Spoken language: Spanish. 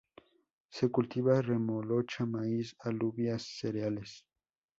Se cultiva remolacha, maíz, alubias cereales.